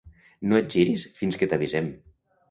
No et giris fins que t'avisem.